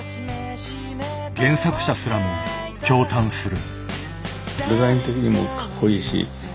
原作者すらも驚嘆する。